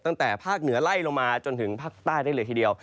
ตั้งแต่ภาคเหนือไล่ลงมาจนถึงภาคใต้ได้เลยทีเดียว